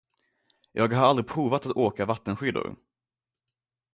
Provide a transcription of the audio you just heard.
Jag har aldrig provat att åka vattenskidor.